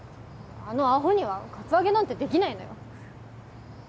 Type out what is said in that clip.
あのアホにはカツアゲなんてできないのよ！